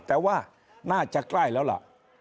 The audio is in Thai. แต่ว่าน่าจะใกล้แล้วล่ะ